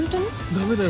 ダメだよ